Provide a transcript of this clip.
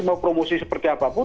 mau promosi seperti apapun